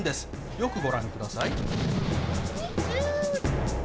よくご覧ください。